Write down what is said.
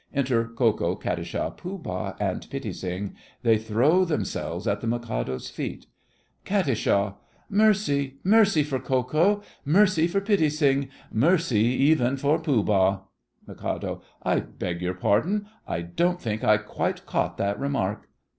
Enter Ko Ko, Katisha, Pooh Bah, and Pitti Sing. They throw themselves at the Mikado's feet KAT. Mercy! Mercy for Ko Ko! Mercy for Pitti Sing! Mercy even for Pooh Bah! MIK. I beg your pardon, I don't think I quite caught that remark.